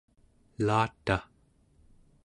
elataᵉ